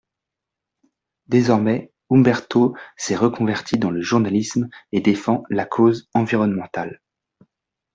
Désormais, Umberto s’est reconverti dans le journalisme et defend la cause environnementale.